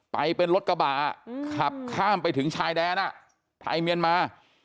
ไปเป็นรถกระบะขับข้ามไปถึงชายแดนไทยเมียนมา